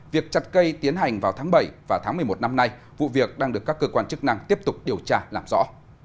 việc chặt cây tiến hành vào tháng bảy và tháng một mươi một năm nay vụ việc đang được các cơ quan chức năng tiếp tục điều tra làm rõ